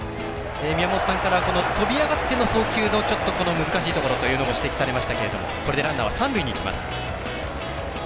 宮本さんから飛び上がっての送球の難しいところという指摘されましたけれどもこれでランナー、三塁に行きます。